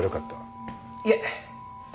いえ。